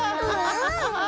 ハハハハハ！